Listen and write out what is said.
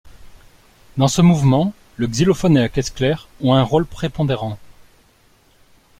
Dans ce mouvement le xylophone et la caisse claire ont un rôle prépondérant.